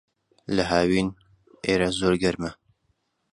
لە ھاوین، ئێرە زۆر گەرمە.